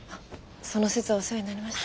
その節はお世話になりました。